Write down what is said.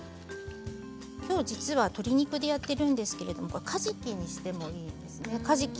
きょう、実は鶏肉でやっているんですけれどもかじきにしてもいいですね。